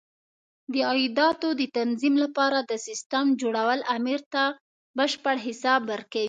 د عایداتو د تنظیم لپاره د سیسټم جوړول امیر ته بشپړ حساب ورکوي.